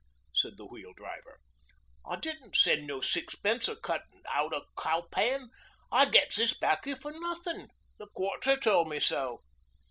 said the Wheel Driver. 'I didn't send no sixpence, or cut out a cow pen. I gets this 'baccy for nothin'. The Quarter tole me so.'